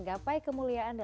sampai jumpa lagi